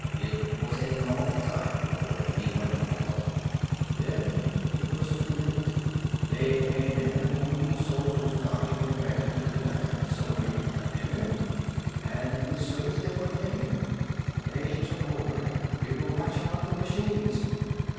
"It was a long time before anyone caught on. Then it was too late. They came in, wounded soldiers, knocking and begging to be let in. So we let them in. And as soon as they were in they took over. We were watching out for machines...."